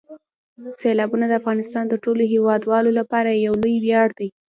سیلابونه د افغانستان د ټولو هیوادوالو لپاره یو لوی ویاړ دی.